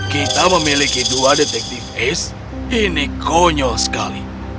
kita memiliki dua detektif ace ini konyol sekali